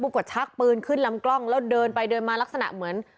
ก็ชักปืนขึ้นลำกล้องแล้วเดินไปเดินมาลักษณะเหมือน